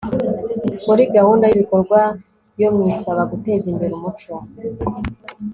muri gahunda y'ibikorwa yo mu isaba guteza imbere umuco